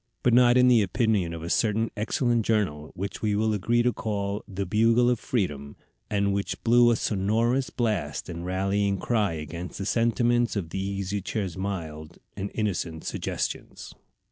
But not in the opinion of a certain excellent journal, which we will agree to call the Bugle of Freedom, and which blew a sonorous blast and rallying cry against the sentiments of the Easy Chair's mild and innocent suggestions.